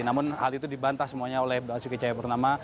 namun hal itu dibantah semuanya oleh basuki cahaya purnama